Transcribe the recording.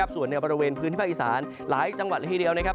ส่วนในบริเวณพื้นที่ภาคอีสานหลายจังหวัดละทีเดียวนะครับ